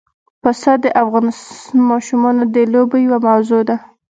پسه د افغان ماشومانو د لوبو یوه موضوع ده.